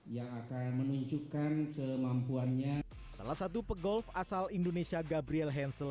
yang akan menunjukkan kemampuannya salah satu pegolf asal indonesia gabriel hansel